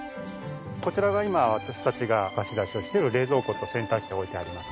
こちらが今私たちが貸し出しをしてる冷蔵庫と洗濯機を置いてあります。